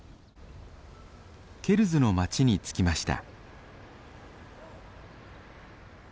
ケルズの街に着きました。